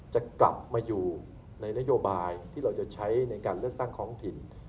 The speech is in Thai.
จะกลับมาอยู่ในนโยบายที่เราจะใช้ในการเลือกตั้งท้องถิ่น